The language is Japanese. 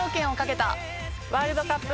ワールドカップ